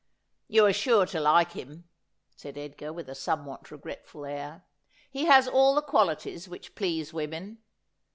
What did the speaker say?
'You are sure to like him,' said Edgar with a somewhat regretful air. ' He has all the qualities which please women.